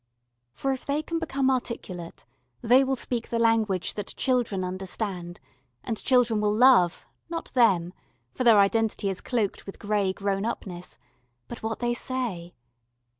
For if they can become articulate they will speak the language that children understand, and children will love, not them, for their identity is cloaked with grey grown up ness, but what they say.